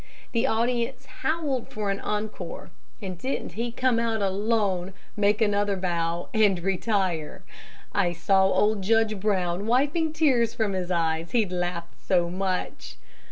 The audience howled for an encore, and didn't he come out alone, make another bow, and retire. I saw old Judge Brown wiping the tears from his eyes, he'd laughed so much.